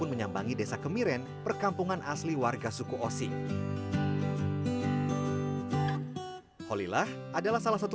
menyambangi desa kemiren perkampungan asli warga suku osing holilah adalah salah satu